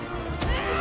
うわ！